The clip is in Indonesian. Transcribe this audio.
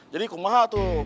jadi kemah tuh